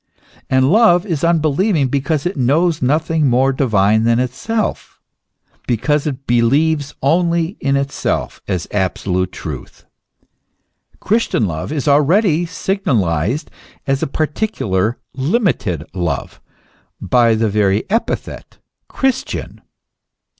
And love is unbelieving because it knows nothing more divine than itself, because it believes only in itself as absolute truth. Christian love is already signalized as a particular, limited love, by the very epithet, Christian.